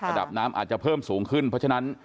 ระดับน้ำอาจจะเพิ่มสูงขึ้นเพราะฉะนั้น